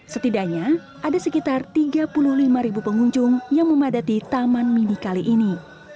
setidaknya ada sekitar tiga puluh lima ribu pengunjung yang memadati taman mini kali ini